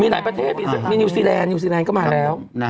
หลายประเทศมีนิวซีแลนนิวซีแลนด์ก็มาแล้ว